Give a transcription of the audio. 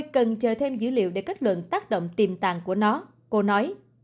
cần chờ thêm dữ liệu để kết luận tác động tiềm tàng của nó cô nói